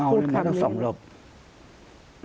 เม้ามันก็พูดคำนี้